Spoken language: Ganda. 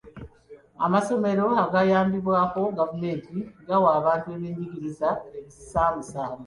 Amasomero agayambibwako gavumenti gawa abantu ebyenjigiriza ebisaamusaamu.